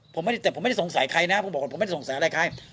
ผมไม่ได้แต่ผมไม่ได้สงสัยใครนะผมบอกว่าผมไม่ได้สงสัยอะไรใคร